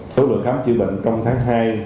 thối lượng khám chữa bệnh trong tháng hai